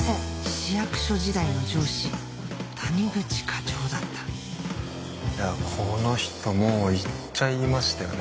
市役所時代の上司谷口課長だったこの人もう行っちゃいましたよね？